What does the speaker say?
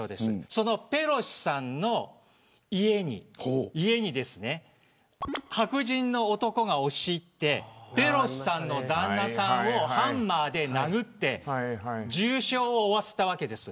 そのペロシさんの家に白人の男が押し入ってペロシさんの旦那さんをハンマーで殴って重傷を負わせたわけです。